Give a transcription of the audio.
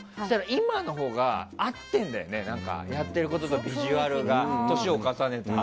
今のほうが合ってるんだよねやってることとビジュアルが年を重ねて。